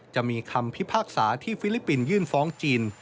จะมีคำพิพากษาที่ฟิลิปปินส์ยื่นฟ้องจีน